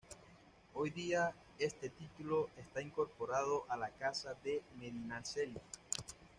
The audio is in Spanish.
Hoy día, este título, está incorporado a la Casa de Medinaceli.